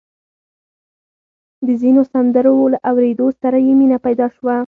د ځينو سندرو له اورېدو سره يې مينه پيدا شوه.